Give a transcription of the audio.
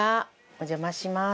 お邪魔します。